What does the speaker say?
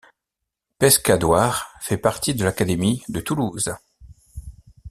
Pescadoires fait partie de l'académie de Toulouse.